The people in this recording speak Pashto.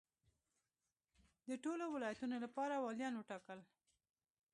د ټولو ولایتونو لپاره والیان وټاکل.